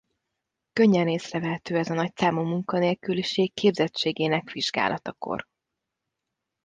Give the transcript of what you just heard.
Könnyen észrevehető ez a nagyszámú munkanélküliség képzettségének vizsgálatakor.